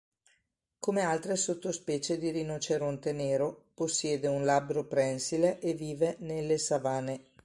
Come altre sottospecie di rinoceronte nero possiede un labbro prensile e vive nelle savane.